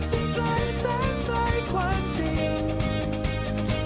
ที่ใกล้ทันใกล้ความจริง